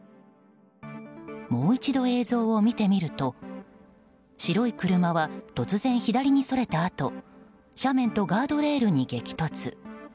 もう一度映像を見てみると白い車は突然左にそれたあと斜面とガードレールに激突。